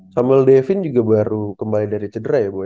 samuel devin juga baru kembali dari cedera ya gue